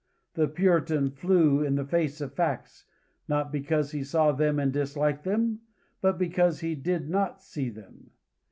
The Puritan flew in the face of facts, not because he saw them and disliked them, but because he did not see them.